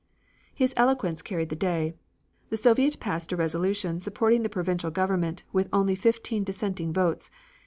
His eloquence carried the day. The Soviet passed a resolution supporting the provisional government with only fifteen dissenting votes.